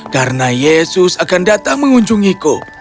karena yesus akan datang mengunjungiku